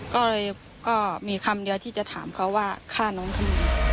ก็เลยก็มีคำเดียวที่จะถามเขาว่าฆ่าน้องทำไม